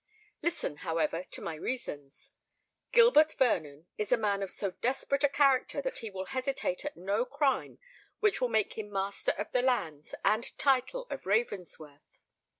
Listen, however, to my reasons. Gilbert Vernon is a man of so desperate a character that he will hesitate at no crime which will make him master of the lands and title of Ravensworth.